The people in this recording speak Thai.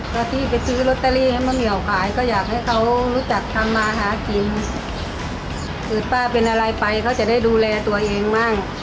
ถ้าที่ไปซื้อลอตเตอรี่ให้มะเหมียวขายก็อยากให้เขารู้จักทำมาหากินคือป้าเป็นอะไรไปเขาจะได้ดูแลตัวเองบ้าง